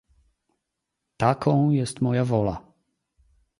"Taką jest moja wola."